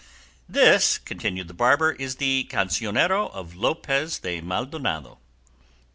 "This," continued the barber, "is the 'Cancionero' of Lopez de Maldonado."